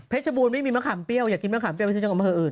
เพชรบูนไม่มีมะขามเปรี้ยวอยากกินมะขามเปรี้ยวอยากเอามาขับอื่น